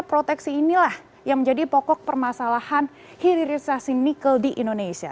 proteksi inilah yang menjadi pokok permasalahan hilirisasi nikel di indonesia